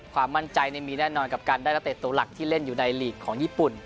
ความมั่นใจมีแน่นอนกับการได้นักเตะตัวหลักที่เล่นอยู่ในลีกของญี่ปุ่น